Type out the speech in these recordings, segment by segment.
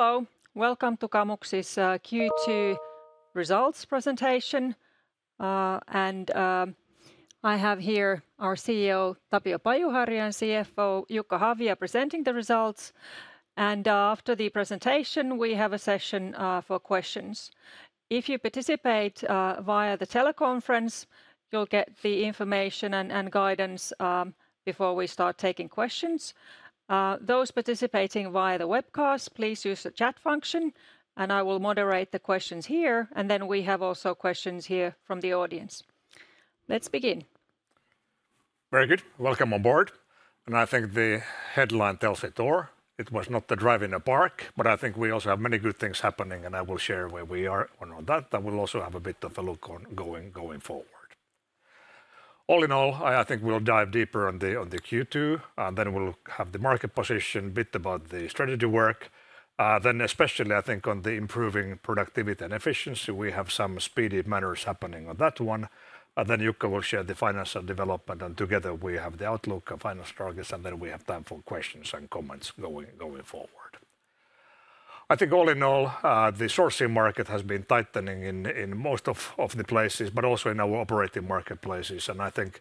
Hello. Welcome to Kamux's Q2 results presentation. I have here our CEO, Tapio Pajuharju, and CFO, Jukka Havia, presenting the results. After the presentation, we have a session for questions. If you participate via the teleconference, you'll get the information and guidance before we start taking questions. Those participating via the webcast, please use the chat function, and I will moderate the questions here, and then we have also questions here from the audience. Let's begin. Very good. Welcome on board, and I think the headline tells it all. It was not a drive in the park, but I think we also have many good things happening, and I will share where we are on that. I will also have a bit of a look on going forward. All in all, I think we'll dive deeper on the Q2, and then we'll have the market position, a bit about the strategy work. Then especially, I think, on the improving productivity and efficiency, we have some speedy matters happening on that one. And then Jukka will share the financial development, and together we have the outlook and final targets, and then we have time for questions and comments going forward. I think all in all, the sourcing market has been tightening in most of the places, but also in our operating marketplaces. I think,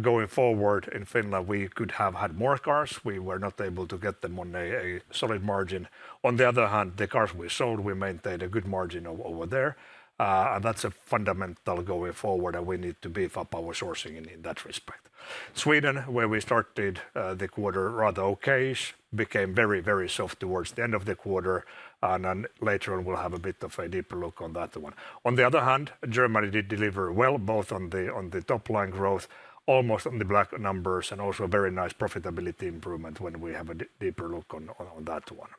going forward in Finland, we could have had more cars. We were not able to get them on a solid margin. On the other hand, the cars we sold, we maintained a good margin over there. And that's a fundamental going forward, and we need to beef up our sourcing in that respect. Sweden, where we started the quarter rather okay-ish, became very, very soft towards the end of the quarter, and then later on we'll have a bit of a deeper look on that one. On the other hand, Germany did deliver well, both on the top line growth, almost on the black numbers, and also a very nice profitability improvement when we have a deeper look on that one.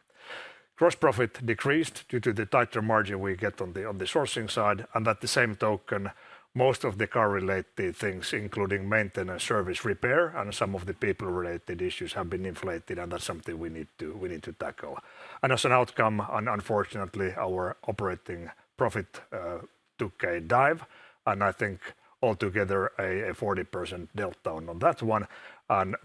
Gross profit decreased due to the tighter margin we get on the sourcing side, and by the same token, most of the car-related things, including maintenance, service, repair, and some of the people-related issues, have been inflated, and that's something we need to tackle. And as an outcome, unfortunately, our operating profit took a dive, and I think altogether, a 40% delta on that one.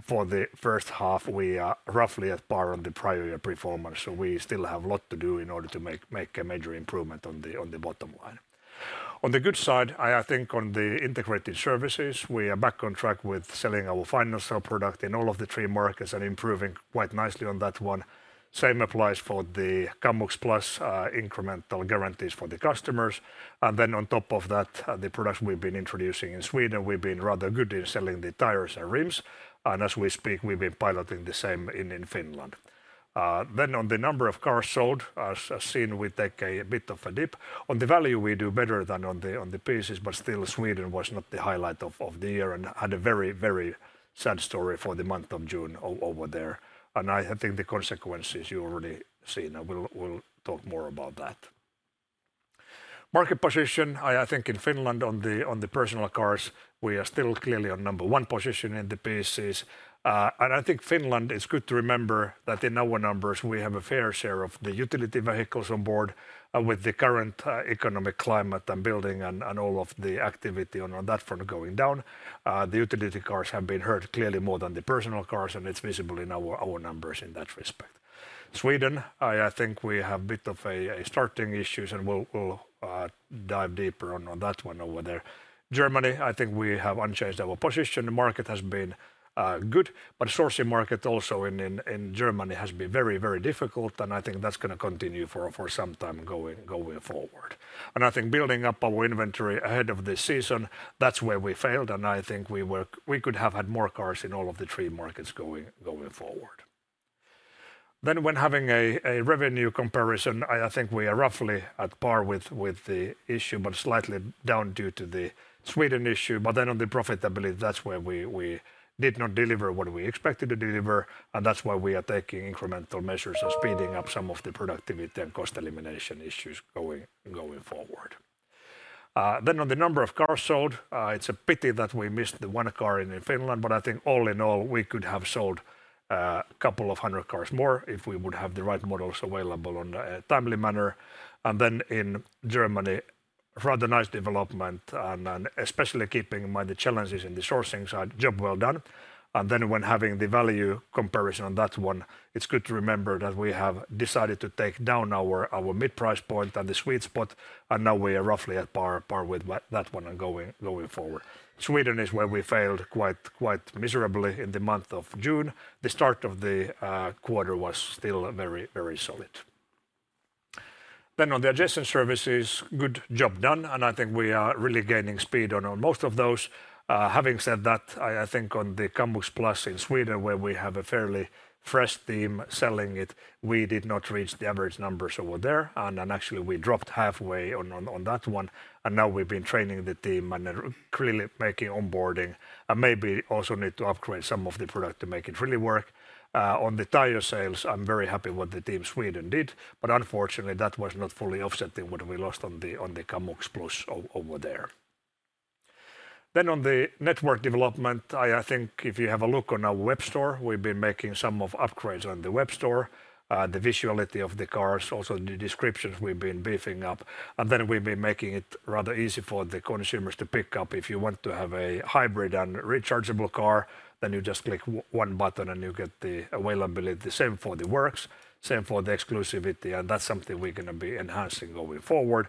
For the first half, we are roughly at par on the prior year performance, so we still have a lot to do in order to make a major improvement on the bottom line. On the good side, I think on the integrated services, we are back on track with selling our financial product in all of the three markets and improving quite nicely on that one. Same applies for the Kamux Plus, incremental guarantees for the customers. And then on top of that, the products we've been introducing in Sweden, we've been rather good in selling the tires and rims, and as we speak, we've been piloting the same in Finland. Then on the number of cars sold, as seen, we take a bit of a dip. On the value, we do better than on the pieces, but still, Sweden was not the highlight of the year and had a very, very sad story for the month of June over there. And I, I think the consequences you already seen, and we'll, we'll talk more about that. Market position, I, I think in Finland, on the, on the personal cars, we are still clearly on number one position in the pieces. And I think Finland, it's good to remember that in our numbers, we have a fair share of the utility vehicles on board. And with the current, economic climate and building and, and all of the activity on, on that front going down, the utility cars have been hurt clearly more than the personal cars, and it's visible in our, our numbers in that respect. Sweden, I, I think we have a bit of a, a starting issues, and we'll, we'll, dive deeper on, on that one over there. Germany, I think we have unchanged our position. The market has been good, but sourcing market also in Germany has been very, very difficult, and I think that's gonna continue for some time going forward. I think building up our inventory ahead of the season, that's where we failed, and I think we could have had more cars in all of the three markets going forward. Then when having a revenue comparison, I think we are roughly at par with the issue, but slightly down due to the Sweden issue. But then on the profitability, that's where we did not deliver what we expected to deliver, and that's why we are taking incremental measures of speeding up some of the productivity and cost elimination issues going forward. Then on the number of cars sold, it's a pity that we missed the one car in Finland, but I think all in all, we could have sold a couple of hundred cars more if we would have the right models available on a timely manner. And then in Germany, rather nice development and especially keeping in mind the challenges in the sourcing side, job well done. And then when having the value comparison on that one, it's good to remember that we have decided to take down our mid-price point and the sweet spot, and now we are roughly at par with that one and going forward. Sweden is where we failed quite miserably in the month of June. The start of the quarter was still very solid. Then on the adjacent services, good job done, and I think we are really gaining speed on most of those. Having said that, I think on the Kamux Plus in Sweden, where we have a fairly fresh team selling it, we did not reach the average numbers over there, and actually we dropped halfway on that one. And now we've been training the team and clearly making onboarding, and maybe also need to upgrade some of the product to make it really work. On the tire sales, I'm very happy what the team Sweden did, but unfortunately, that was not fully offsetting what we lost on the Kamux Plus over there. Then on the network development, I think if you have a look on our web store, we've been making some of upgrades on the web store. The visibility of the cars, also the descriptions we've been beefing up, and then we've been making it rather easy for the consumers to pick up. If you want to have a hybrid and rechargeable car, then you just click one button, and you get the availability. The same for the works, same for the exclusivity, and that's something we're gonna be enhancing going forward,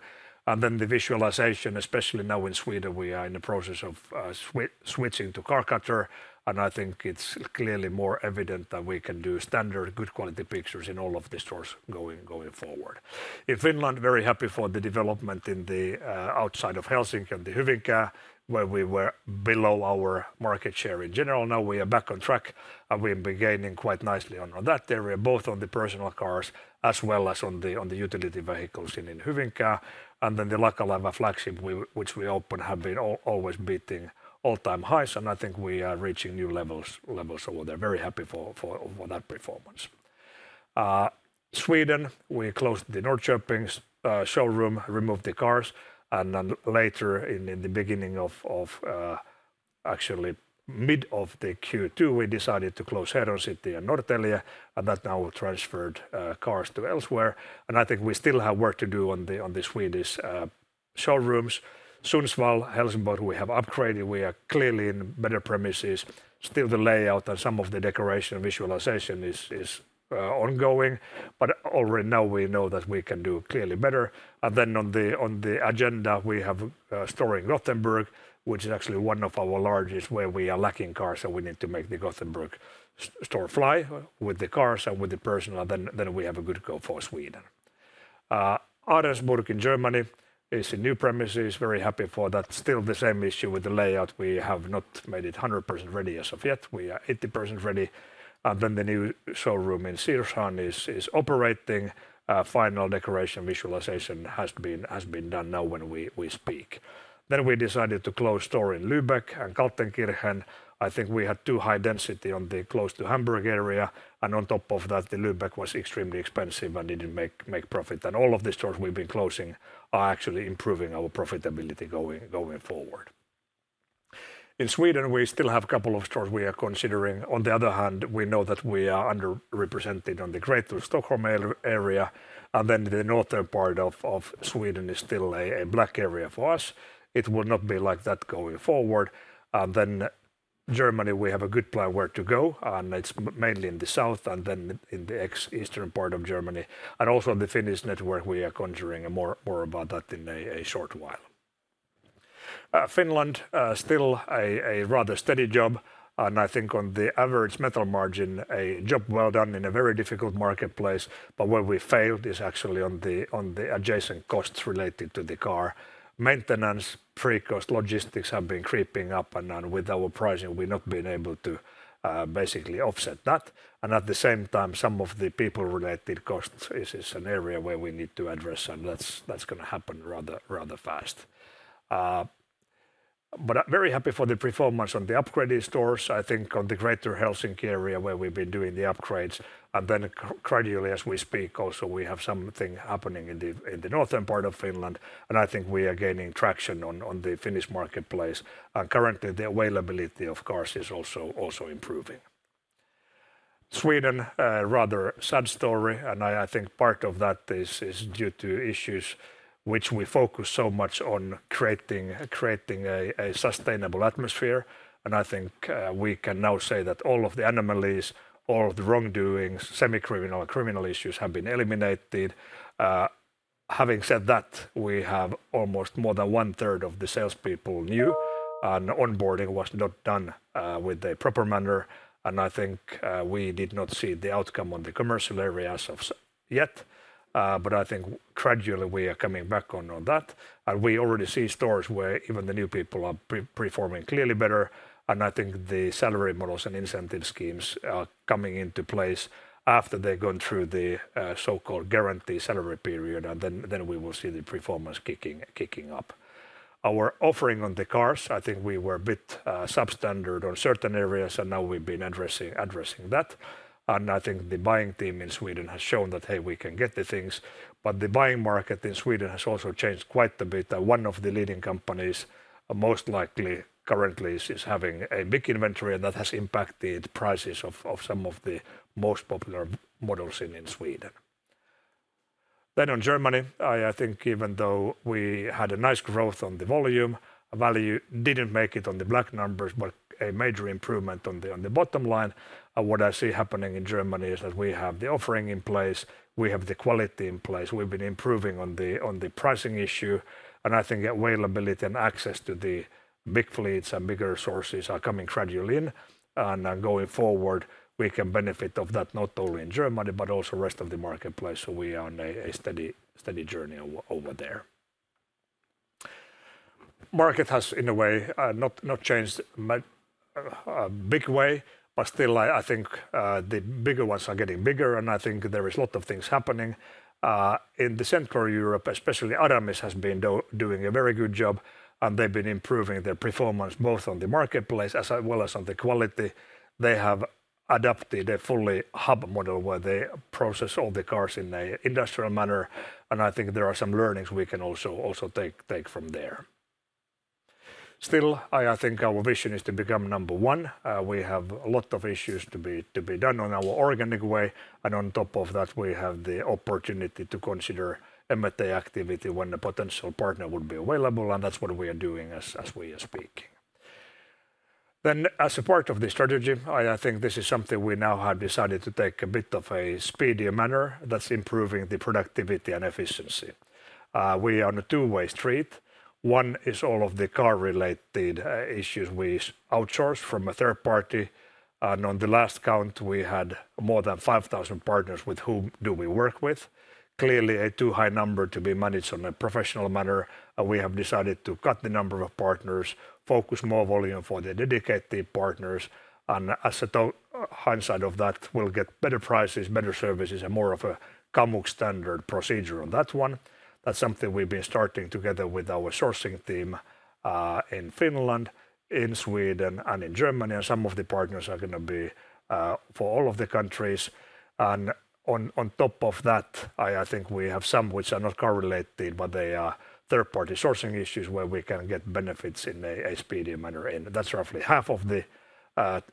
and then the visualization, especially now in Sweden, we are in the process of switching to Carcutter, and I think it's clearly more evident that we can do standard, good quality pictures in all of the stores going forward. In Finland, very happy for the development in the outside of Helsinki and the Hyvinkää, where we were below our market share in general. Now we are back on track, and we've been gaining quite nicely on that area, both on the personal cars as well as on the utility vehicles in Hyvinkää, and then the Lakalaiva flagship which we opened have been always beating all-time highs, and I think we are reaching new levels over there. Very happy for that performance. Sweden, we closed the Norrköping showroom, removed the cars, and then later in the beginning of, actually mid of the Q2, we decided to close Heron City and Norrtälje, and that now transferred cars to elsewhere, and I think we still have work to do on the Swedish showrooms. Sundsvall, Helsingborg, we have upgraded. We are clearly in better premises. Still, the layout and some of the decoration and visualization is, is, ongoing, but already now we know that we can do clearly better, and then on the, on the agenda, we have a store in Gothenburg, which is actually one of our largest, where we are lacking cars, so we need to make the Gothenburg store fly with the cars and with the personal, then we have a good go for Sweden. Ahrensburg in Germany is a new premises, very happy for that. Still, the same issue with the layout, we have not made it 100% ready as of yet. We are 80% ready, and then the new showroom in Siershahn is, is operating. Final decoration visualization has been done now when we speak. Then we decided to close store in Lübeck and Kaltenkirchen. I think we had too high density on the close to Hamburg area, and on top of that, the Lübeck was extremely expensive and didn't make profit, and all of the stores we've been closing are actually improving our profitability going forward. In Sweden, we still have a couple of stores we are considering. On the other hand, we know that we are underrepresented on the greater Stockholm area, and then the northern part of Sweden is still a black area for us. It will not be like that going forward, and then Germany, we have a good plan where to go, and it's mainly in the south, and then in the ex-eastern part of Germany, and also on the Finnish network, we are conjuring. And more about that in a short while. Finland, still a rather steady job, and I think on the average metal margin, a job well done in a very difficult marketplace, but where we failed is actually on the adjacent costs related to the car. Maintenance, pre-cost logistics have been creeping up, and with our pricing, we've not been able to basically offset that, and at the same time, some of the people-related costs is an area where we need to address, and that's gonna happen rather fast. But I'm very happy for the performance on the upgraded stores. I think on the greater Helsinki area, where we've been doing the upgrades, and then gradually as we speak also, we have something happening in the northern part of Finland, and I think we are gaining traction on the Finnish marketplace, and currently, the availability of cars is also improving. Sweden, a rather sad story, and I think part of that is due to issues which we focus so much on creating a sustainable atmosphere, and I think we can now say that all of the anomalies, all of the wrongdoings, semi-criminal, criminal issues have been eliminated. Having said that, we have almost more than one third of the salespeople new, and onboarding was not done with the proper manner, and I think we did not see the outcome on the commercial areas as of yet. But I think gradually we are coming back on that, and we already see stores where even the new people are performing clearly better, and I think the salary models and incentive schemes are coming into place after they've gone through the so-called guarantee salary period, and then we will see the performance kicking up. Our offering on the cars, I think we were a bit substandard on certain areas, and now we've been addressing that, and I think the buying team in Sweden has shown that, "Hey, we can get the things," but the buying market in Sweden has also changed quite a bit, and one of the leading companies, most likely currently, is having a big inventory, and that has impacted prices of some of the most popular models in Sweden. Then on Germany, I think even though we had a nice growth on the volume, value didn't make it on the black numbers, but a major improvement on the bottom line, and what I see happening in Germany is that we have the offering in place, we have the quality in place. We've been improving on the pricing issue, and I think availability and access to the big fleets and bigger sources are coming gradually in, and going forward, we can benefit of that, not only in Germany, but also rest of the marketplace, so we are on a steady journey over there. Market has, in a way, not changed much, a big way, but still, I think the bigger ones are getting bigger, and I think there is a lot of things happening. In the Central Europe, especially, Aramis has been doing a very good job, and they've been improving their performance, both on the marketplace as well as on the quality. They have adapted a fully hub model, where they process all the cars in an industrial manner, and I think there are some learnings we can also take from there. Still, I think our mission is to become number one. We have a lot of issues to be done on our organic way, and on top of that, we have the opportunity to consider M&A activity when the potential partner will be available, and that's what we are doing as we are speaking. Then as a part of the strategy, I think this is something we now have decided to take a bit of a speedier manner, that's improving the productivity and efficiency. We are on a two-way street. One is all of the car-related issues we outsource from a third party, and on the last count, we had more than 5,000 partners with whom do we work with. Clearly, a too high number to be managed on a professional manner, and we have decided to cut the number of partners, focus more volume for the dedicated partners, and as a to- hindsight of that, we'll get better prices, better services, and more of a Kamux standard procedure on that one. That's something we've been starting together with our sourcing team in Finland, in Sweden, and in Germany, and some of the partners are gonna be for all of the countries. On top of that, I think we have some which are not car-related, but they are third-party sourcing issues where we can get benefits in a speedier manner, and that's roughly half of the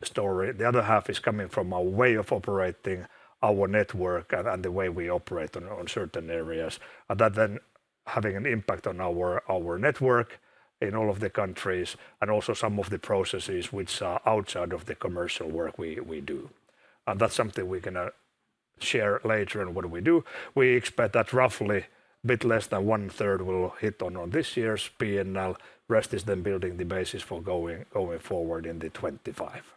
story. The other half is coming from a way of operating our network and the way we operate on certain areas. And that then having an impact on our network in all of the countries, and also some of the processes which are outside of the commercial work we do. And that's something we're gonna share later on what we do. We expect that roughly a bit less than one-third will hit on this year's PNL. Rest is then building the basis for going forward in 2025.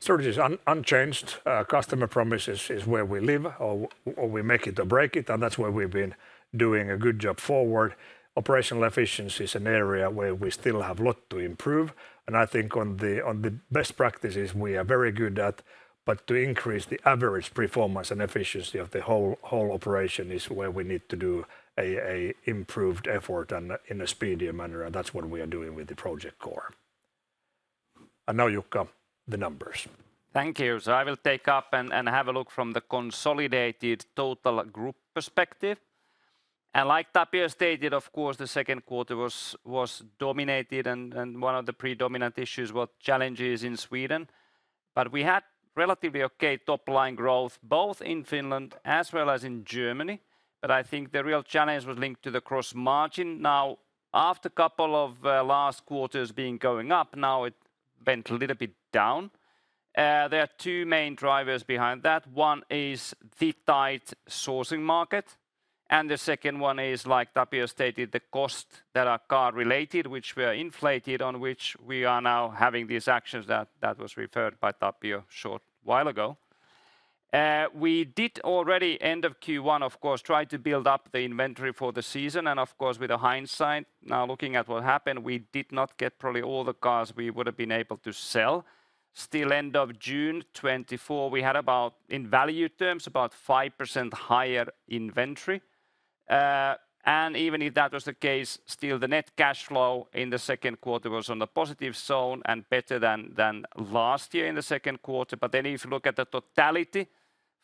Strategy's unchanged. Customer promise is where we live, or we make it or break it, and that's where we've been doing a good job forward. Operational efficiency is an area where we still have lot to improve, and I think on the best practices, we are very good at, but to increase the average performance and efficiency of the whole operation is where we need to do a improved effort and in a speedier manner, and that's what we are doing with the Project Core. And now, Jukka, the numbers. Thank you. So I will take up and have a look from the consolidated total group perspective. And like Tapio stated, of course, the second quarter was dominated, and one of the predominant issues were challenges in Sweden. But we had relatively okay top line growth, both in Finland as well as in Germany, but I think the real challenge was linked to the gross margin. Now, after couple of last quarters being going up, now it bent a little bit down. There are two main drivers behind that. One is the tight sourcing market, and the second one is, like Tapio stated, the cost that are car-related, which were inflated, on which we are now having these actions that was referred by Tapio a short while ago. We did already, end of Q1, of course, try to build up the inventory for the season, and of course, with the hindsight, now looking at what happened, we did not get probably all the cars we would've been able to sell. Still, end of June 2024, we had about in value terms, about 5% higher inventory. And even if that was the case, still, the net cash flow in the second quarter was on a positive zone and better than last year in the second quarter. But then if you look at the totality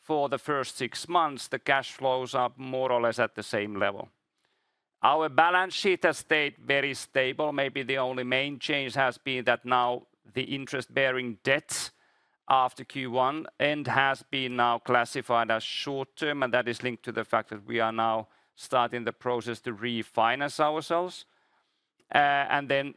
for the first six months, the cash flows are more or less at the same level. Our balance sheet has stayed very stable. Maybe the only main change has been that now the interest-bearing debt after Q1, and has been now classified as short-term, and that is linked to the fact that we are now starting the process to refinance ourselves. And then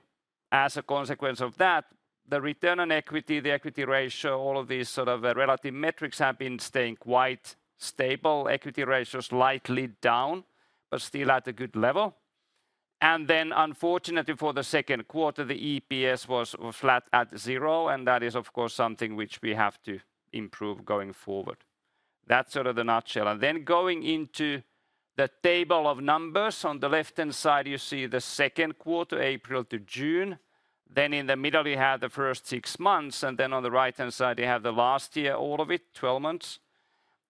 as a consequence of that, the return on equity, the equity ratio, all of these sort of relative metrics have been staying quite stable. Equity ratio's slightly down, but still at a good level. And then, unfortunately, for the second quarter, the EPS was flat at zero, and that is, of course, something which we have to improve going forward. That's sort of the nutshell. And then going into the table of numbers, on the left-hand side, you see the second quarter, April to June. Then in the middle, you have the first six months, and then on the right-hand side, you have the last year, all of it, 12 months.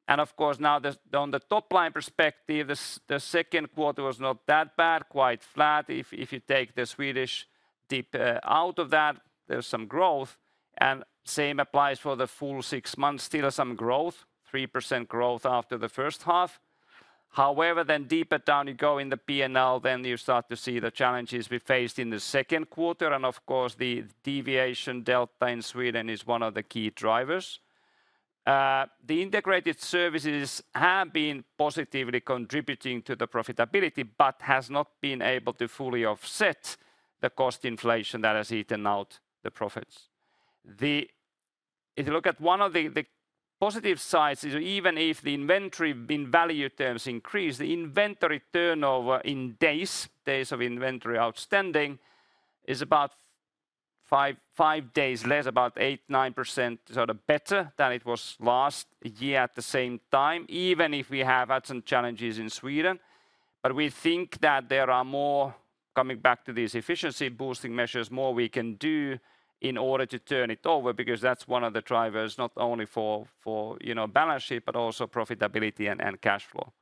And of course, now the, on the top-line perspective, the second quarter was not that bad, quite flat. If you take the Swedish dip out of that, there's some growth, and same applies for the full six months. Still some growth, 3% growth after the first half. However, then deeper down you go in the P&L, then you start to see the challenges we faced in the second quarter, and of course, the deviation delta in Sweden is one of the key drivers. The integrated services have been positively contributing to the profitability, but has not been able to fully offset the cost inflation that has eaten out the profits. If you look at one of the positive sides is, even if the inventory in value terms increased, the inventory turnover in days, days of inventory outstanding, is about 5 days less, about 8-9% sort of better than it was last year at the same time, even if we have had some challenges in Sweden. But we think that there are more, coming back to these efficiency-boosting measures, more we can do in order to turn it over, because that's one of the drivers, not only for, for you know, balance sheet, but also profitability and cash flow.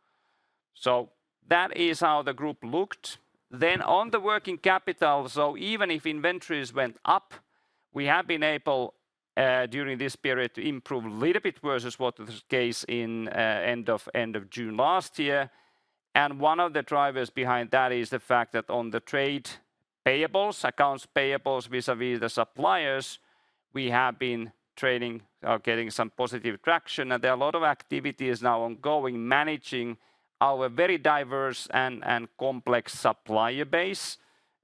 So that is how the group looked. Then on the working capital, so even if inventories went up, we have been able during this period to improve a little bit versus what was the case in end of June last year. One of the drivers behind that is the fact that on the trade payables, accounts payables vis-a-vis the suppliers, we have been trading, getting some positive traction. There are a lot of activities now ongoing, managing our very diverse and complex supplier base.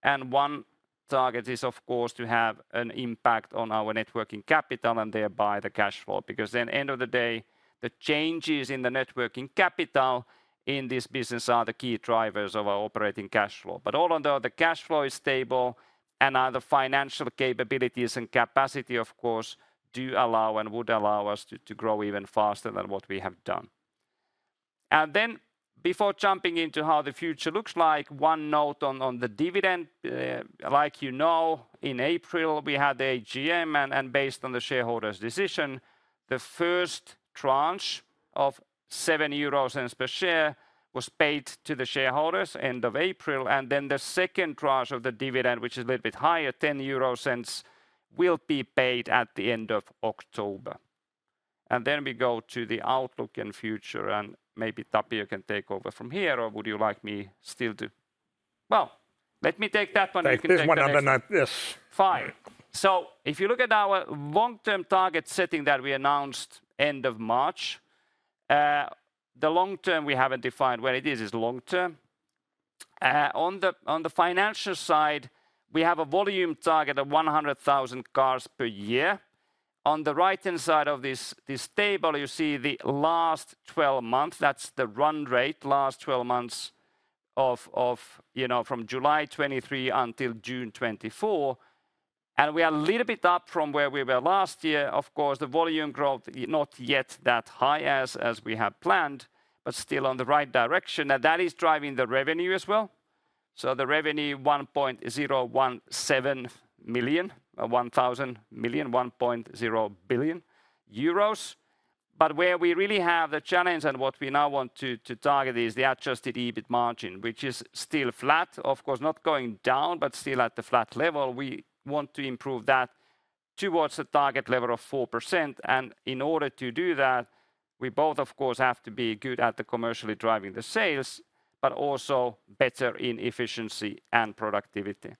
One target is, of course, to have an impact on our net working capital, and thereby the cash flow. Because in the end of the day, the changes in the net working capital in this business are the key drivers of our operating cash flow. But all in all, the cash flow is stable, and our financial capabilities and capacity, of course, do allow and would allow us to grow even faster than what we have done. Then before jumping into how the future looks like, one note on the dividend. Like you know, in April, we had the AGM, and based on the shareholders' decision, the first tranche of 0.07 euros per share was paid to the shareholders end of April. And then the second tranche of the dividend, which is a little bit higher, 0.10, will be paid at the end of October. And then we go to the outlook and future, and maybe Tapio can take over from here, or would you like me still to... Well, let me take that one, you can take the next. Take this one and then, yes. Fine. All right. So if you look at our long-term target setting that we announced end of March, the long term, we haven't defined what it is, is long term. On the financial side, we have a volume target of 100,000 cars per year. On the right-hand side of this table, you see the last 12 months. That's the run rate, last 12 months of, you know, from July 2023 until June 2024, and we are a little bit up from where we were last year. Of course, the volume growth is not yet that high as we had planned, but still on the right direction, and that is driving the revenue as well. So the revenue, 1.017 million, one thousand million, 1.0 billion euros. But where we really have the challenge and what we now want to target is the Adjusted EBIT margin, which is still flat. Of course, not going down, but still at the flat level. We want to improve that towards a target level of 4%, and in order to do that, we both, of course, have to be good at the commercially driving the sales, but also better in efficiency and productivity.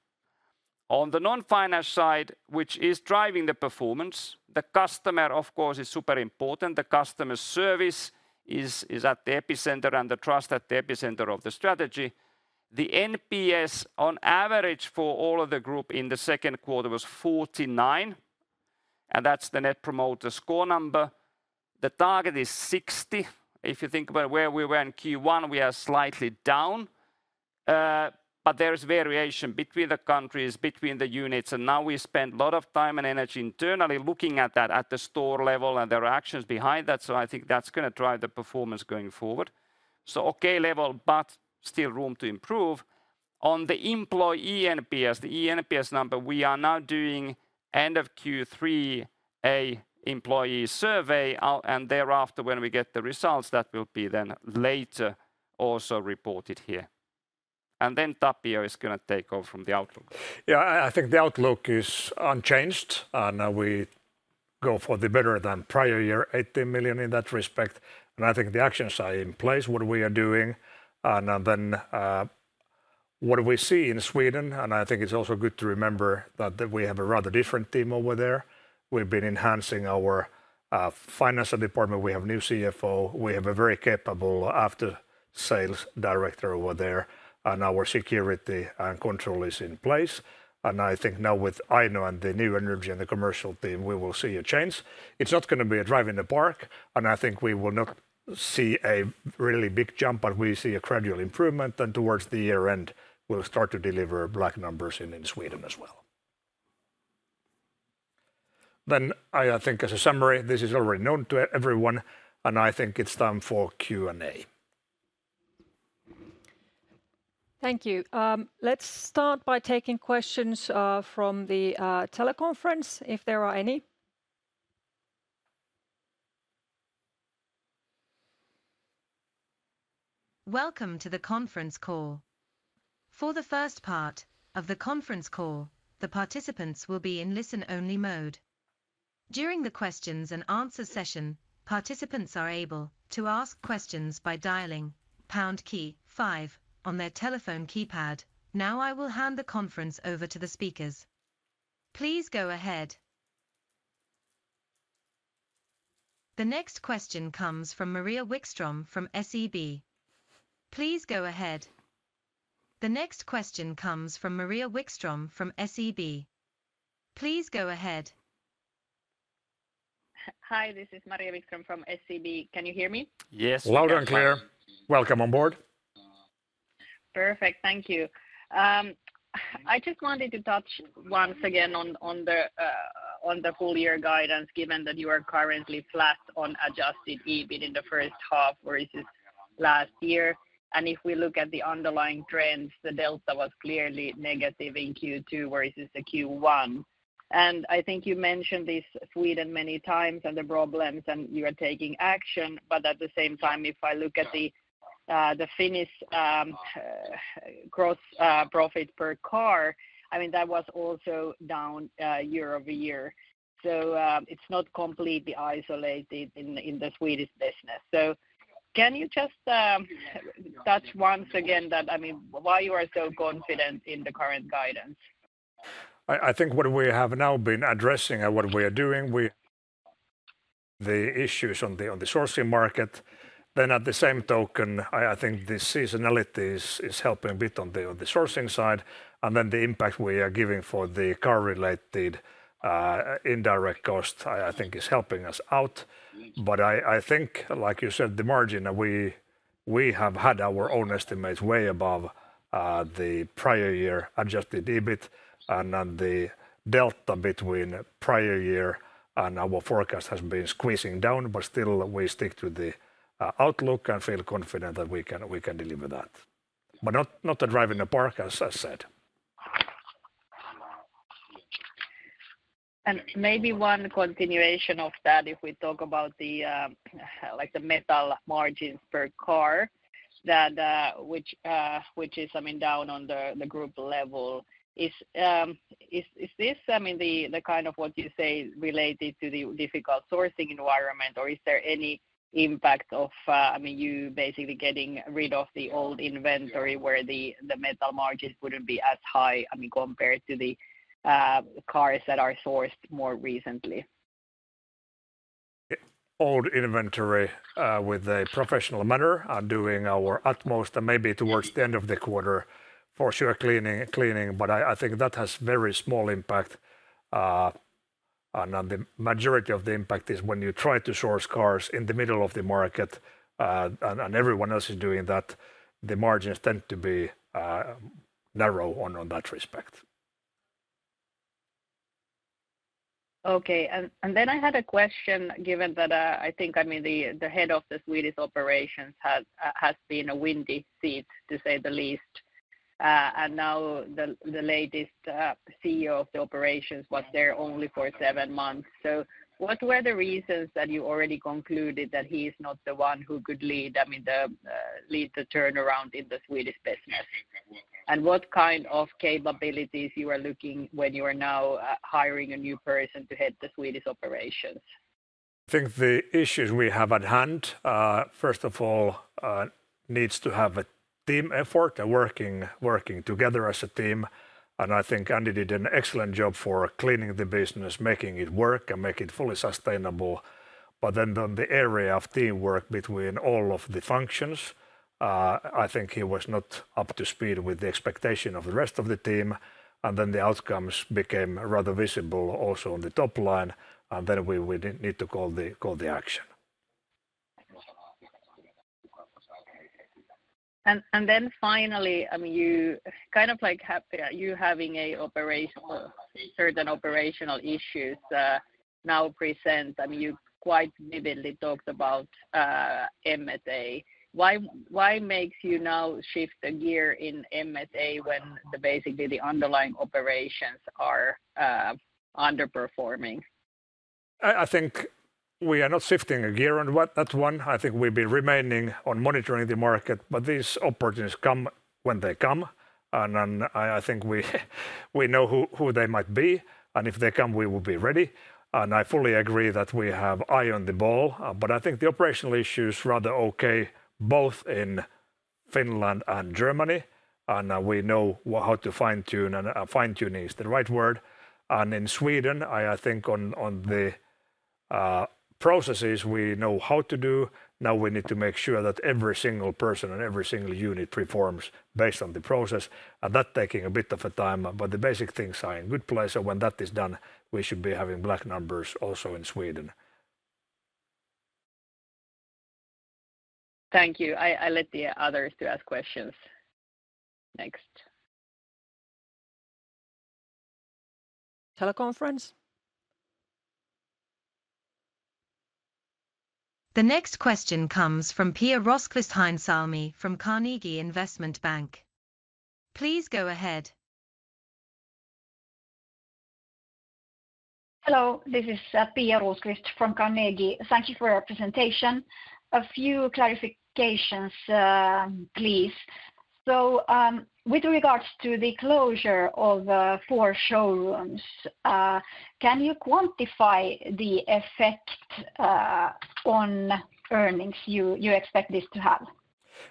On the non-finance side, which is driving the performance, the customer, of course, is super important. The customer service is at the epicenter and the trust at the epicenter of the strategy. The NPS, on average for all of the group in the second quarter, was 49, and that's the Net Promoter Score number. The target is 60. If you think about where we were in Q1, we are slightly down, but there is variation between the countries, between the units, and now we spend a lot of time and energy internally looking at that at the store level, and there are actions behind that. So I think that's gonna drive the performance going forward. So okay level, but still room to improve. On the employee NPS, the eNPS number, we are now doing end of Q3, an employee survey. And thereafter, when we get the results, that will be then later also reported here. And then Tapio is gonna take over from the outlook. Yeah, I think the outlook is unchanged, and we go for better than prior year, 18 million in that respect. I think the actions are in place, what we are doing, and then what we see in Sweden, and I think it's also good to remember that we have a rather different team over there. We've been enhancing our financial department. We have a new CFO. We have a very capable after sales director over there, and our security and control is in place. I think now with Aino and the new energy and the commercial team, we will see a change. It's not gonna be a drive in the park, and I think we will not see a really big jump, but we see a gradual improvement. Then towards the year end, we'll start to deliver black numbers in Sweden as well. Then I think as a summary, this is already known to everyone, and I think it's time for Q&A. Thank you. Let's start by taking questions from the teleconference, if there are any. Welcome to the conference call. For the first part of the conference call, the participants will be in listen-only mode. During the questions and answer session, participants are able to ask questions by dialing pound key five on their telephone keypad. Now I will hand the conference over to the speakers. Please go ahead. The next question comes from Maria Wikström from SEB. Please go ahead. The next question comes from Maria Wikström from SEB. Please go ahead. Hi, this is Maria Wikström from SEB. Can you hear me? Yes. Loud and clear. Welcome on board. Perfect. Thank you. I just wanted to touch once again on the full year guidance, given that you are currently flat on Adjusted EBIT in the first half, versus last year. And if we look at the underlying trends, the delta was clearly negative in Q2 versus the Q1. And I think you mentioned this Sweden many times and the problems, and you are taking action. But at the same time, if I look at the Finnish gross profit per car, I mean, that was also down year-over-year. So it's not completely isolated in the Swedish business. So can you just touch once again that, I mean, why you are so confident in the current guidance? I think what we have now been addressing and what we are doing, the issues on the sourcing market. Then at the same token, I think the seasonality is helping a bit on the sourcing side, and then the impact we are giving for the car-related indirect cost, I think is helping us out. But I think, like you said, the margin we have had our own estimates way above the prior year Adjusted EBIT and then the delta between prior year and our forecast has been squeezing down. But still we stick to the outlook and feel confident that we can deliver that. But not a drive in the park, as I said. And maybe one continuation of that, if we talk about, like, the Metal margins per car, that which is, I mean, down on the group level. Is this, I mean, the kind of what you say related to the difficult sourcing environment, or is there any impact of, I mean, you basically getting rid of the old inventory where the Metal margins wouldn't be as high, I mean, compared to the cars that are sourced more recently? Old inventory with a professional manner, are doing our utmost, and maybe towards the end of the quarter for sure, cleaning. But I think that has very small impact. And then the majority of the impact is when you try to source cars in the middle of the market, and everyone else is doing that, the margins tend to be narrow on that respect. Okay. And then I had a question, given that, I think, I mean, the head of the Swedish operations has been a hot seat, to say the least. And now the latest CEO of the operations was there only for seven months. So what were the reasons that you already concluded that he is not the one who could lead, I mean, lead the turnaround in the Swedish business? And what kind of capabilities you are looking for when you are now hiring a new person to head the Swedish operations? I think the issues we have at hand, first of all, needs to have a team effort and working, working together as a team. And I think Andy did an excellent job for cleaning the business, make it work, and make it fully sustainable. But then on the area of teamwork between all of the functions, I think he was not up to speed with the expectation of the rest of the team, and then the outcomes became rather visible also on the top line. And then we, we didn't need to call the, call the action. Then finally, I mean, you kind of like you're having certain operational issues now present. I mean, you quite vividly talked about MSA. Why makes you now shift a gear in MSA when basically the underlying operations are underperforming? I think we are not shifting a gear on what, that one. I think we'll be remaining on monitoring the market, but these opportunities come when they come, and then I think we know who they might be, and if they come, we will be ready. And I fully agree that we have eye on the ball, but I think the operational issue is rather okay, both in Finland and Germany, and we know how to fine-tune, and fine-tune is the right word. And in Sweden, I think on the processes we know how to do; now we need to make sure that every single person and every single unit performs based on the process, and that taking a bit of a time. The basic things are in good place, so when that is done, we should be having black numbers also in Sweden. Thank you. I let the others to ask questions next. Teleconference? The next question comes from Pia Rosqvist-Heinsalmi, from Carnegie Investment Bank. Please go ahead. Hello, this is Pia Rosqvist from Carnegie. Thank you for your presentation. A few clarifications, please. So, with regards to the closure of 4 showrooms, can you quantify the effect on earnings you expect this to have?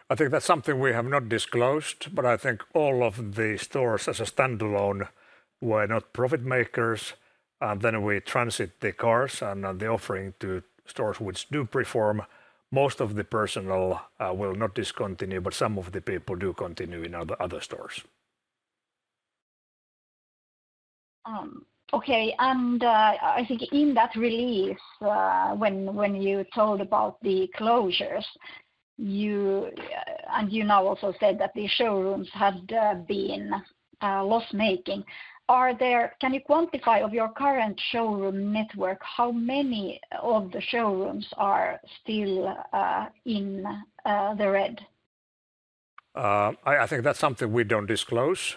I think that's something we have not disclosed, but I think all of the stores as a standalone were not profit makers. Then we transit the cars and the offering to stores which do perform. Most of the personnel will not discontinue, but some of the people do continue in other, other stores. Okay. I think in that release, when you told about the closures, you... You now also said that the showrooms had been loss-making. Can you quantify, of your current showroom network, how many of the showrooms are still in the red?... I think that's something we don't disclose,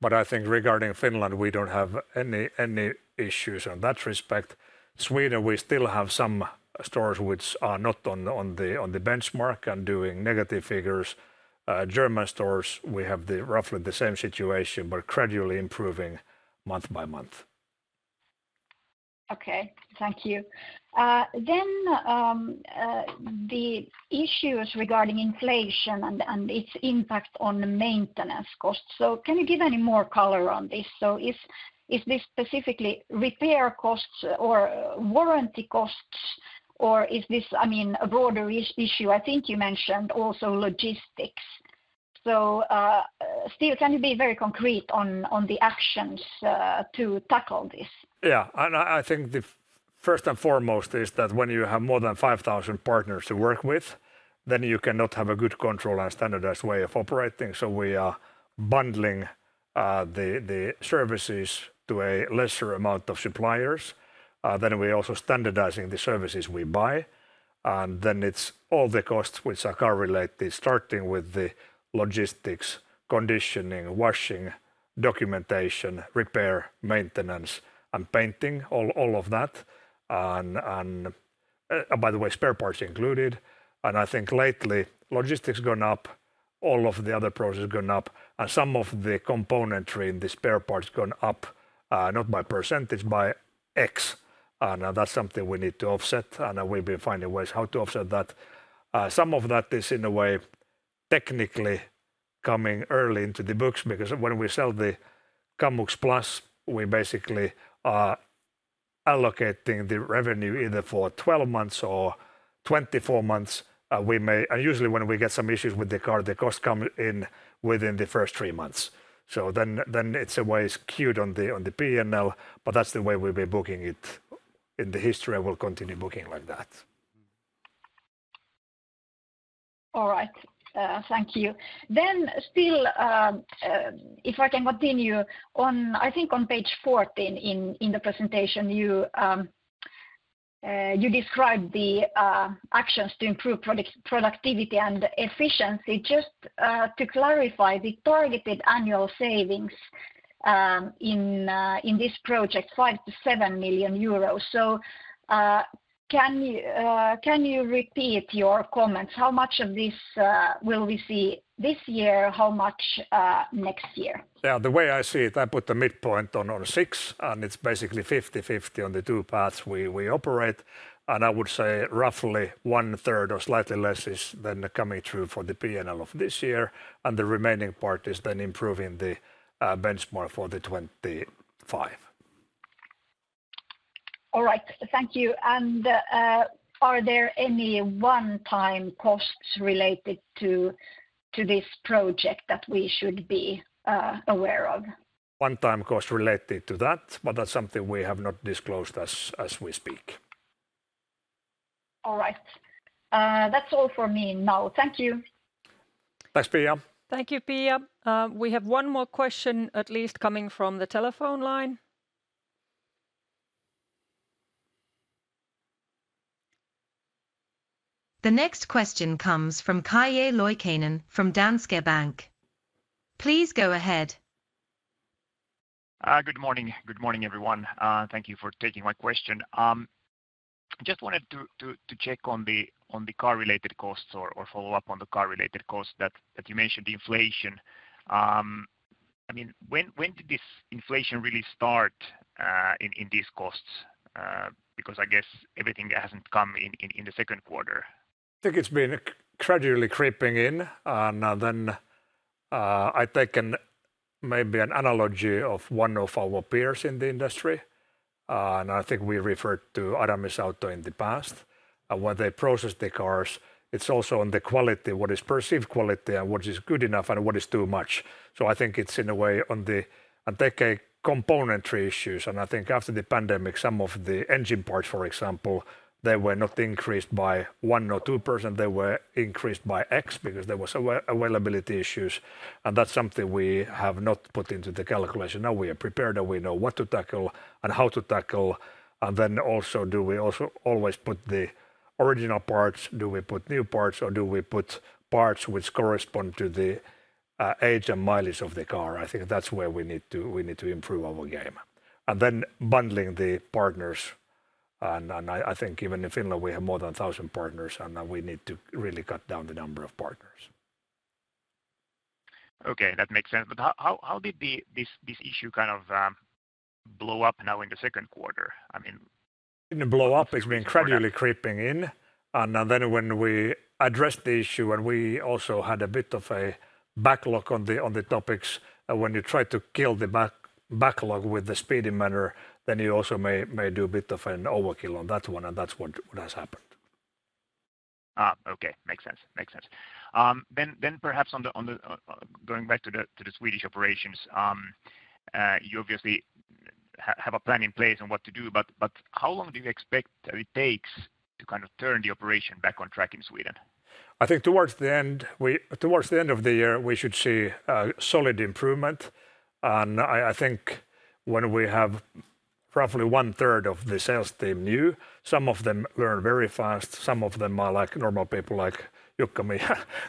but I think regarding Finland, we don't have any issues in that respect. Sweden, we still have some stores which are not on the benchmark and doing negative figures. German stores, we have roughly the same situation, but gradually improving month by month. Okay, thank you. Then, the issues regarding inflation and its impact on the maintenance costs. So can you give any more color on this? So is this specifically repair costs or warranty costs, or is this, I mean, a broader issue? I think you mentioned also logistics. So, still, can you be very concrete on the actions to tackle this? Yeah, and I think the first and foremost is that when you have more than 5,000 partners to work with, then you cannot have a good control and standardized way of operating. So we are bundling the services to a lesser amount of suppliers, then we're also standardizing the services we buy. And then it's all the costs which are car-related, starting with the logistics, conditioning, washing, documentation, repair, maintenance, and painting, all of that. And by the way, spare parts included. And I think lately, logistics gone up, all of the other processes gone up, and some of the componentry and the spare parts gone up, not by percentage, by X. And that's something we need to offset, and we'll be finding ways how to offset that. Some of that is in a way, technically coming early into the books, because when we sell the Kamux Plus, we basically are allocating the revenue either for 12 months or 24 months. And usually, when we get some issues with the car, the costs come in within the first three months. So then, it's a way it's queued on the P&L, but that's the way we'll be booking it. In the history, we'll continue booking like that. All right, thank you. Then still, if I can continue, I think on page 14 in the presentation, you described the actions to improve productivity and efficiency. Just to clarify, the targeted annual savings in this project, 5-7 million euros. So, can you repeat your comments? How much of this will we see this year? How much next year? Yeah, the way I see it, I put the midpoint on 6, and it's basically 50/50 on the two paths we operate. And I would say roughly one third or slightly less is then coming through for the P&L of this year, and the remaining part is then improving the benchmark for the 2025. All right, thank you. And, are there any one-time costs related to this project that we should be aware of? One-time cost related to that, but that's something we have not disclosed as we speak. All right. That's all for me now. Thank you. Thanks, Pia. Thank you, Pia. We have one more question, at least coming from the telephone line. The next question comes from Kalle Loikkanen from Danske Bank. Please go ahead. Good morning. Good morning, everyone. Thank you for taking my question. Just wanted to check on the car-related costs or follow up on the car-related costs that you mentioned, the inflation. I mean, when did this inflation really start in these costs? Because I guess everything hasn't come in the second quarter. I think it's been gradually creeping in, and then I've taken maybe an analogy of one of our peers in the industry, and I think we referred to Aramis Group in the past, and when they process the cars, it's also on the quality, what is perceived quality and what is good enough and what is too much. So I think it's in a way on the... I take components issues, and I think after the pandemic, some of the engine parts, for example, they were not increased by 1 or 2%, they were increased by X because there was availability issues, and that's something we have not put into the calculation. Now we are prepared, and we know what to tackle and how to tackle. And then also, do we also always put the original parts? Do we put new parts, or do we put parts which correspond to the age and mileage of the car? I think that's where we need to improve our game. And then bundling the partners. I think even in Finland, we have more than 1,000 partners, and we need to really cut down the number of partners. Okay, that makes sense. But how, how, how did the... this, this issue kind of, blow up now in the second quarter? I mean- Didn't blow up, it's gradually creeping in. And then when we addressed the issue, and we also had a bit of a backlog on the topics, and when you try to kill the backlog with the speedy manner, then you also may do a bit of an overkill on that one, and that's what has happened. Ah, okay, makes sense. Makes sense. Then perhaps, going back to the Swedish operations, you obviously have a plan in place on what to do, but how long do you expect that it takes to kind of turn the operation back on track in Sweden? I think towards the end of the year, we should see a solid improvement. I think when we have roughly one third of the sales team new. Some of them learn very fast, some of them are like normal people, like Jukka, me,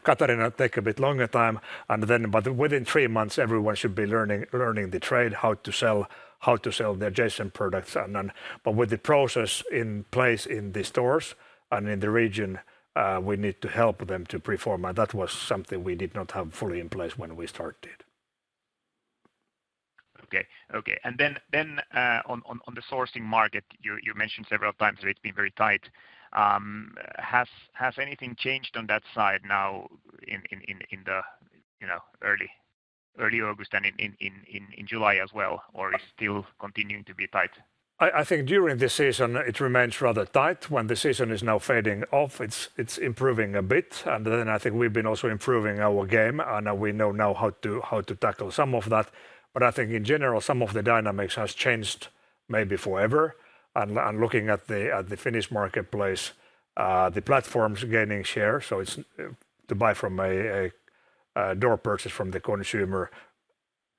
Katariina, take a bit longer time, and then but within three months, everyone should be learning, learning the trade, how to sell, how to sell the adjacent products. And then, but with the process in place in the stores and in the region, we need to help them to perform, and that was something we did not have fully in place when we started. Okay. Okay, and then on the sourcing market, you mentioned several times that it's been very tight. Has anything changed on that side now in the, you know, early August and in July as well, or it's still continuing to be tight? I think during the season it remains rather tight. When the season is now fading off, it's improving a bit, and then I think we've been also improving our game, and we know now how to tackle some of that. But I think in general, some of the dynamics has changed maybe forever. And looking at the Finnish marketplace, the platform's gaining share, so it's to buy from a door purchase from the consumer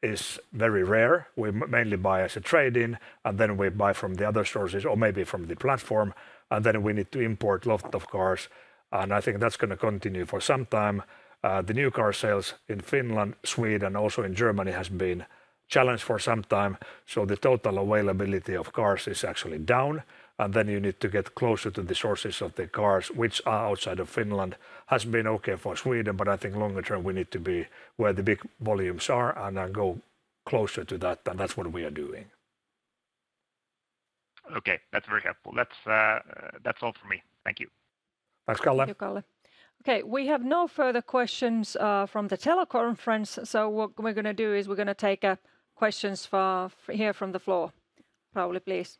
is very rare. We mainly buy as a trade-in, and then we buy from the other sources or maybe from the platform, and then we need to import lot of cars, and I think that's gonna continue for some time. The new car sales in Finland, Sweden, also in Germany, has been challenged for some time, so the total availability of cars is actually down, and then you need to get closer to the sources of the cars which are outside of Finland. Has been okay for Sweden, but I think longer term we need to be where the big volumes are and, and go closer to that, and that's what we are doing. Okay, that's very helpful. That's, that's all for me. Thank you. Thanks, Kalle. Thank you, Kalle. Okay, we have no further questions from the teleconference, so what we're gonna do is we're gonna take questions for here from the floor. Pauli, please.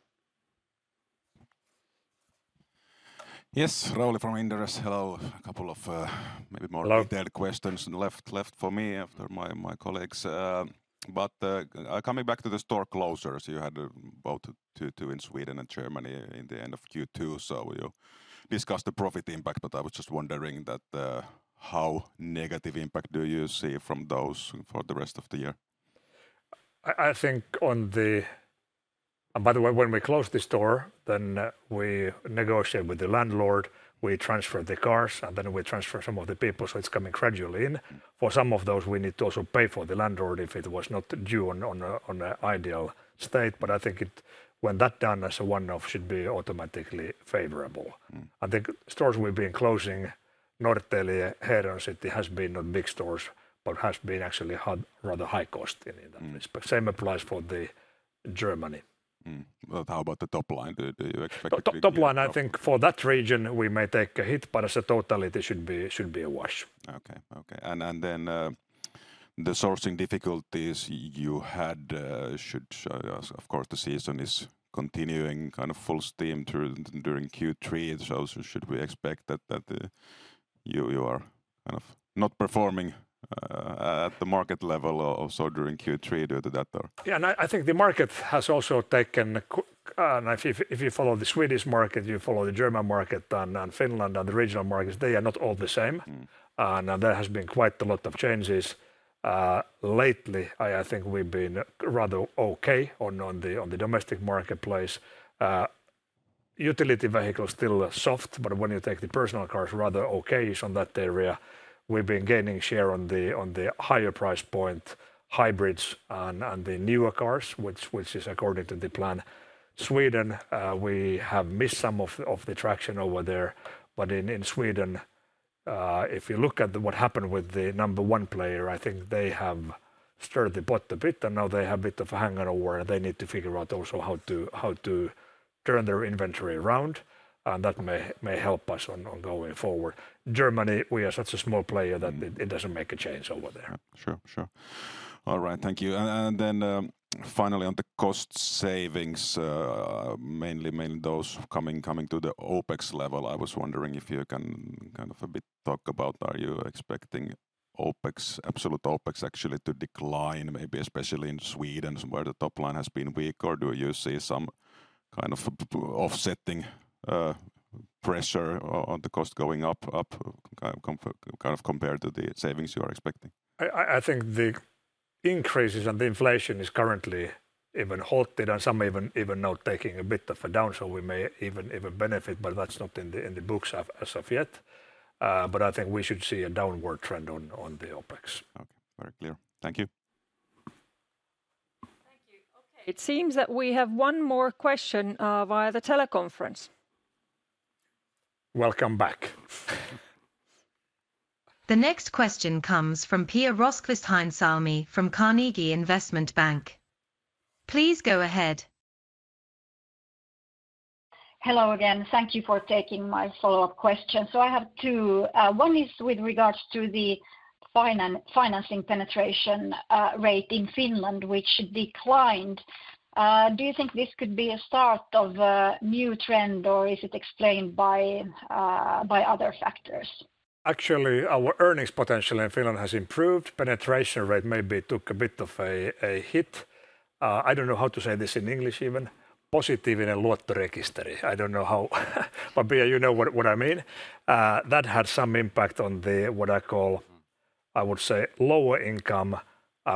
Yes, Pauli from Inderes. Hello. A couple of, maybe more- Hello... detailed questions left for me after my colleagues. But coming back to the store closures, you had about two in Sweden and Germany in the end of Q2, so you discussed the profit impact, but I was just wondering how negative impact do you see from those for the rest of the year? I think... And by the way, when we close the store, then we negotiate with the landlord, we transfer the cars, and then we transfer some of the people, so it's coming gradually. For some of those, we need to also pay the landlord if it was not in an ideal state, but I think when that's done as a one-off, should be automatically favorable. Mm. The stores we've been closing, Norrtälje, Heron City, has been not big stores, but has been actually rather high cost in that respect. Mm. Same applies for the Germany. Well, how about the top line? Do you expect the top- Top line, I think for that region we may take a hit, but as a totality, should be, should be a wash. Okay, okay. And, and then, the sourcing difficulties you had, should, of course, the season is continuing kind of full steam through during Q3, so should we expect that, that, you, you are kind of not performing, at, at the market level also during Q3 due to that, or? Yeah, and I think the market has also taken, and if you follow the Swedish market, you follow the German market, and Finland and the regional markets, they are not all the same. Mm. And there has been quite a lot of changes lately. I think we've been rather okay on the domestic marketplace. Utility vehicles still are soft, but when you take the personal cars, rather okay-ish on that area. We've been gaining share on the higher price point, hybrids and the newer cars, which is according to the plan. Sweden, we have missed some of the traction over there, but in Sweden, if you look at what happened with the number one player, I think they have stirred the pot a bit, and now they have a bit of a hangover. They need to figure out also how to turn their inventory around, and that may help us on going forward. Germany, we are such a small player- Mm... that it doesn't make a change over there. Sure. Sure. All right, thank you. And then, finally, on the cost savings, mainly those coming to the OpEx level, I was wondering if you can kind of a bit talk about are you expecting OpEx, absolute OpEx, actually to decline, maybe especially in Sweden, where the top line has been weak? Or do you see some kind of offsetting pressure on the cost going up, kind of compared to the savings you are expecting? I think the increases and the inflation is currently even halted and some even now taking a bit of a down, so we may even benefit, but that's not in the books as of yet. But I think we should see a downward trend on the OpEx. Okay. Very clear. Thank you. Thank you. Okay, it seems that we have one more question via the teleconference. Welcome back. The next question comes from Pia Rosqvist-Heinsalmi from Carnegie Investment Bank. Please go ahead. Hello again. Thank you for taking my follow-up question. So I have two. One is with regards to the financing penetration rate in Finland, which declined. Do you think this could be a start of a new trend, or is it explained by other factors? Actually, our earnings potential in Finland has improved. Penetration rate maybe took a bit of a hit. I don't know how to say this in English even. I don't know how but Pia, you know what I mean. That had some impact on the, what I call—I would say, lower income,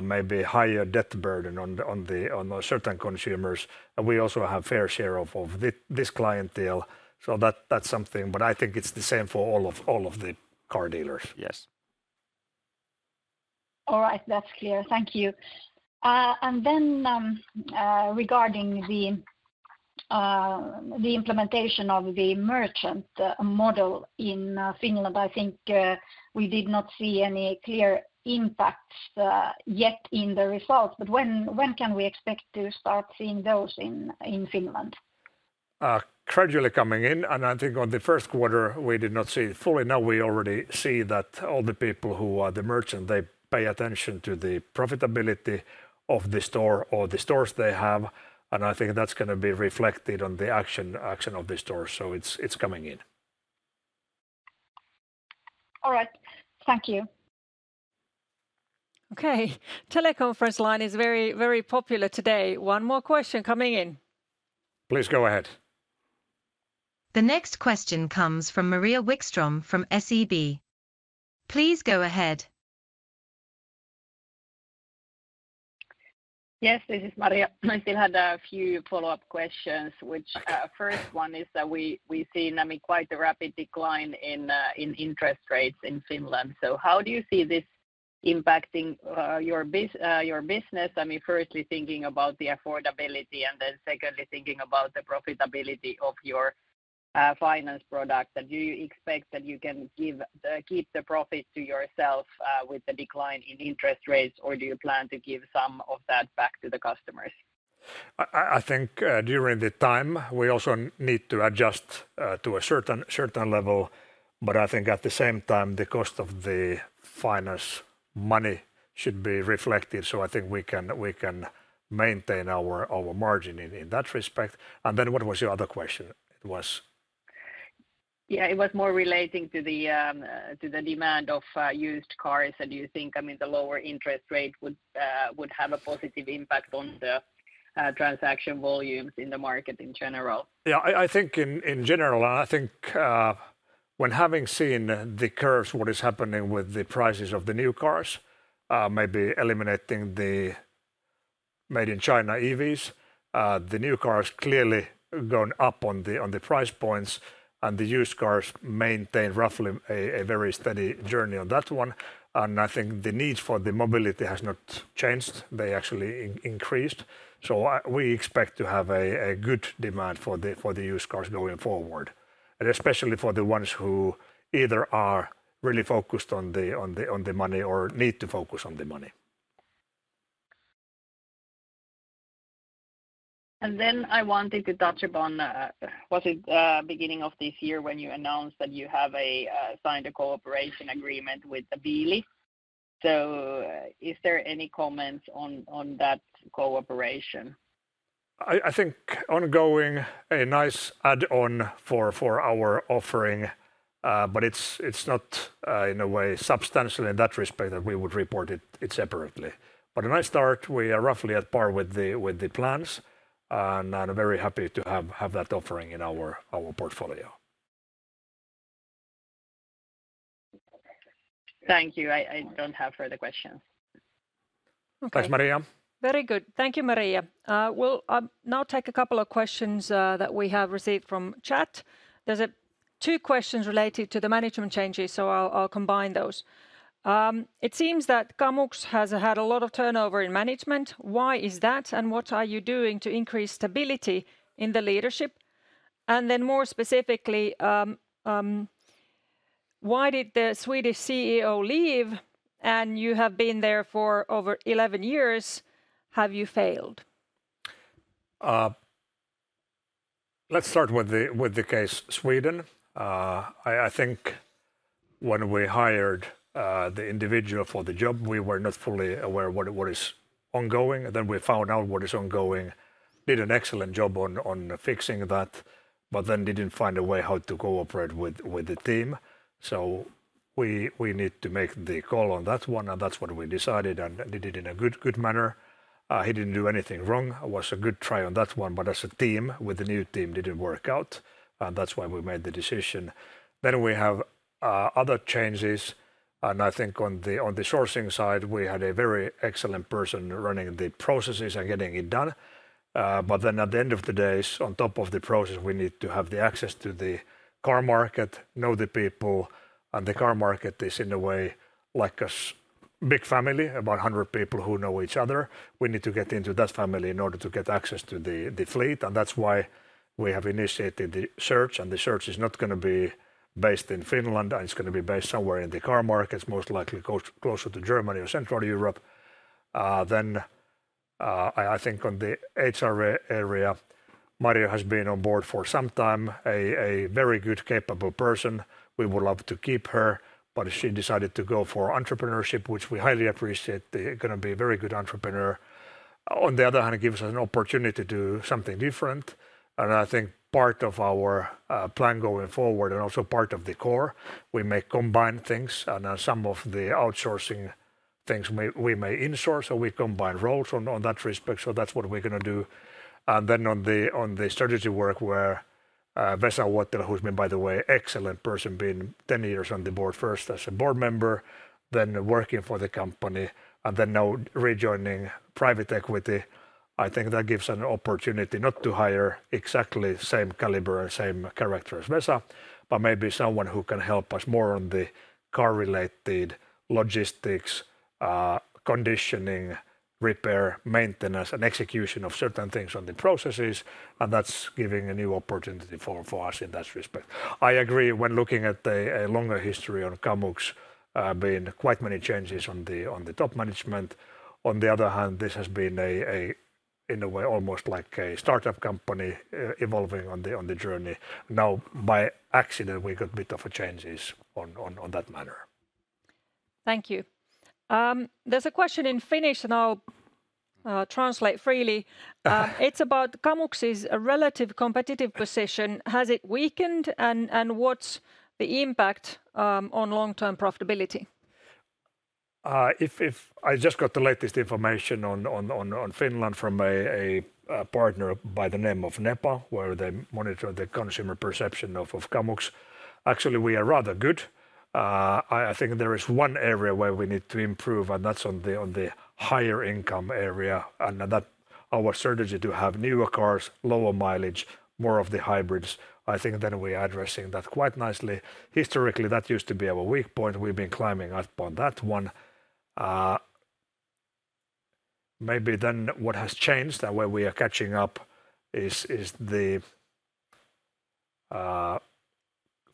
maybe higher debt burden on the certain consumers, and we also have fair share of this clientele. So that's something, but I think it's the same for all of the car dealers. Yes. All right, that's clear. Thank you. And then, regarding the implementation of the merchant model in Finland, I think we did not see any clear impacts yet in the results, but when can we expect to start seeing those in Finland? Gradually coming in, and I think on the first quarter we did not see it fully. Now we already see that all the people who are the merchant, they pay attention to the profitability of the store or the stores they have, and I think that's gonna be reflected on the action of the store. So it's coming in. All right. Thank you. Okay, telecom first line is very, very popular today. One more question coming in. Please go ahead. The next question comes from Maria Wikström from SEB. Please go ahead. Yes, this is Maria. I still had a few follow-up questions, which, first one is that we, we've seen, I mean, quite a rapid decline in, in interest rates in Finland. So how do you see this impacting, your business? I mean, firstly, thinking about the affordability, and then secondly, thinking about the profitability of your, finance products. And do you expect that you can keep the profits to yourself, with the decline in interest rates, or do you plan to give some of that back to the customers? I think during the time, we also need to adjust to a certain level, but I think at the same time, the cost of the finance money should be reflected. So I think we can maintain our margin in that respect. And then what was your other question? It was... Yeah, it was more relating to the demand of used cars, and do you think, I mean, the lower interest rate would have a positive impact on the transaction volumes in the market in general? Yeah, I think in general, and I think, when having seen the curves, what is happening with the prices of the new cars, maybe eliminating the made-in-China EVs, the new cars clearly going up on the price points, and the used cars maintain roughly a very steady journey on that one, and I think the need for the mobility has not changed. They actually increased, so we expect to have a good demand for the used cars going forward, and especially for the ones who either are really focused on the money or need to focus on the money. And then I wanted to touch upon, was it beginning of this year when you announced that you have signed a cooperation agreement with Beely? So is there any comments on that cooperation? I think ongoing, a nice add-on for our offering, but it's not in a way substantial in that respect that we would report it separately. But a nice start, we are roughly at par with the plans, and I'm very happy to have that offering in our portfolio. Thank you. I don't have further questions. Okay. Thanks, Maria. Very good. Thank you, Marjo. We'll now take a couple of questions that we have received from chat. There are two questions related to the management changes, so I'll combine those. "It seems that Kamux has had a lot of turnover in management. Why is that, and what are you doing to increase stability in the leadership?" And then more specifically, "Why did the Swedish CEO leave, and you have been there for over 11 years. Have you failed? Let's start with the case, Sweden. I think when we hired the individual for the job, we were not fully aware what is ongoing, and then we found out what is ongoing. Did an excellent job on fixing that, but then didn't find a way how to cooperate with the team. So we need to make the call on that one, and that's what we decided, and did it in a good manner. He didn't do anything wrong. It was a good try on that one, but as a team with the new team, didn't work out, and that's why we made the decision. Then we have other changes, and I think on the sourcing side, we had a very excellent person running the processes and getting it done. But then at the end of the day, on top of the process, we need to have the access to the car market, know the people, and the car market is, in a way, like a big family, about 100 people who know each other. We need to get into that family in order to get access to the, the fleet, and that's why we have initiated the search, and the search is not gonna be based in Finland. It's gonna be based somewhere in the car markets, most likely closer to Germany or Central Europe. Then I think on the HR area, Maria has been on board for some time, a very good, capable person. We would love to keep her, but she decided to go for entrepreneurship, which we highly appreciate. She's gonna be a very good entrepreneur. On the other hand, it gives us an opportunity to do something different, and I think part of our plan going forward, and also part of the core, we may combine things and some of the outsourcing things may, we may insource or we combine roles on that respect, so that's what we're gonna do. And then on the strategy work where Vesa Vuotila, who's been, by the way, excellent person, been 10 years on the board, first as a board member, then working for the company, and then now rejoining private equity, I think that gives an opportunity not to hire exactly same caliber, same character as Vesa, but maybe someone who can help us more on the car-related logistics, conditioning, repair, maintenance, and execution of certain things on the processes, and that's giving a new opportunity for us in that respect. I agree, when looking at a longer history on Kamux, been quite many changes on the top management. On the other hand, this has been in a way, almost like a startup company, evolving on the journey. Now, by accident, we got bit of a changes on that matter. Thank you. There's a question in Finnish, and I'll translate freely. It's about Kamux's relative competitive position. Has it weakened? And what's the impact on long-term profitability? If... I just got the latest information on Finland from a partner by the name of Nepa, where they monitor the consumer perception of Kamux. Actually, we are rather good. I think there is one area where we need to improve, and that's on the higher income area, and that our strategy to have newer cars, lower mileage, more of the hybrids, I think then we are addressing that quite nicely. Historically, that used to be our weak point. We've been climbing up on that one. Maybe then what has changed and where we are catching up is the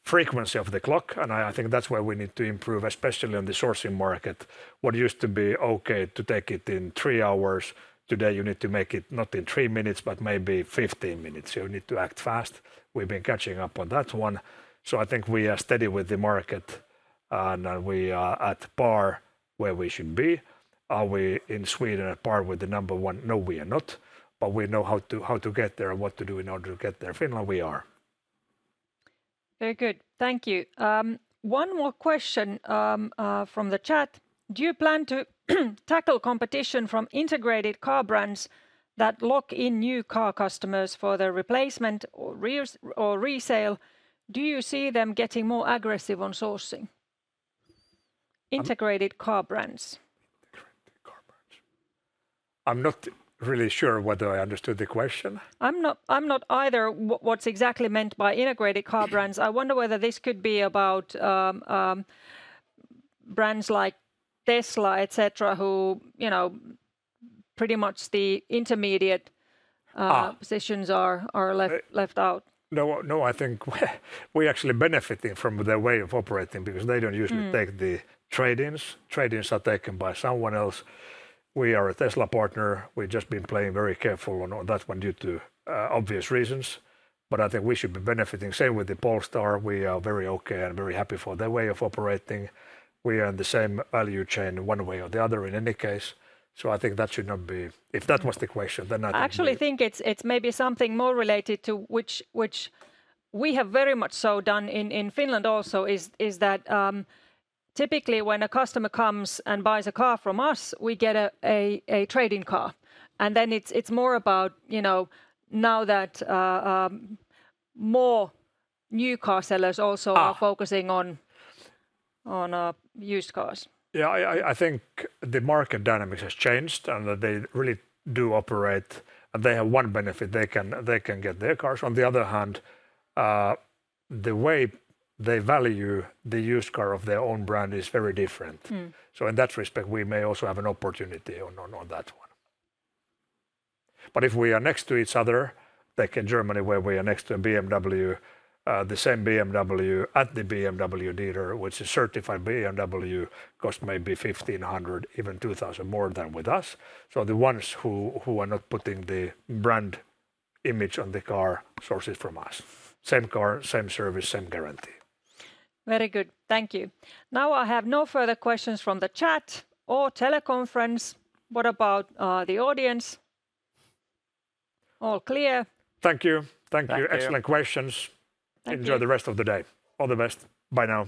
frequency of the clock, and I think that's where we need to improve, especially on the sourcing market. What used to be okay to take it in three hours, today you need to make it not in three minutes, but maybe 15 minutes. You need to act fast. We've been catching up on that one, so I think we are steady with the market, and we are at par where we should be. Are we in Sweden at par with the number one? No, we are not, but we know how to, how to get there and what to do in order to get there. Finland, we are. Very good. Thank you. One more question, from the chat: Do you plan to tackle competition from integrated car brands that lock in new car customers for their replacement or reus- or resale? Do you see them getting more aggressive on sourcing? Integrated car brands. Integrated car brands. I'm not really sure whether I understood the question. I'm not, I'm not either. What's exactly meant by integrated car brands? I wonder whether this could be about brands like Tesla, et cetera, who, you know, pretty much the intermediate- Ah... positions are left- Very... left out. No, no, I think we're actually benefiting from their way of operating, because they don't usually- Mm... take the trade-ins. Trade-ins are taken by someone else. We are a Tesla partner. We've just been playing very careful on, on that one, due to obvious reasons, but I think we should be benefiting. Same with the Polestar. We are very okay and very happy for their way of operating. We are in the same value chain one way or the other, in any case, so I think that should not be... If that was the question, then I think we- I actually think it's maybe something more related to which we have very much so done in Finland also, is that typically when a customer comes and buys a car from us, we get a trade-in car, and then it's more about, you know, now that more new car sellers also- Ah... are focusing on used cars. Yeah, I think the market dynamics has changed and that they really do operate, and they have one benefit: they can get their cars. On the other hand, the way they value the used car of their own brand is very different. Mm. So in that respect, we may also have an opportunity on that one. But if we are next to each other, like in Germany where we are next to a BMW, the same BMW at the BMW dealer, which is certified BMW, cost maybe 1,500, even 2,000 more than with us. So the ones who are not putting the brand image on the car, sources from us. Same car, same service, same guarantee. Very good, thank you. Now I have no further questions from the chat or teleconference. What about the audience? All clear. Thank you. Thank you. Thank you. Excellent questions. Thank you. Enjoy the rest of the day. All the best. Bye now.